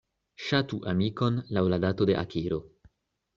Ŝatu amikon laŭ la dato de akiro.